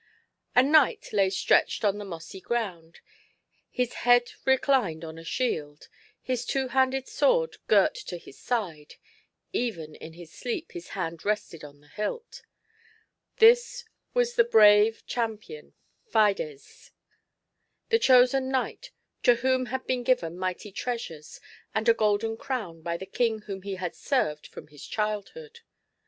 A knight lay stretched on the mossy gi'ound ; his liejvd reclined on a shield, his two handed sword girt to his side — even in sleep his hand rested on the hilt. This was the brave champion Fides, the chosen knight to whom had been given mighty treasures and a golden crown by the King whom he had sei'ved fi'om his child hood.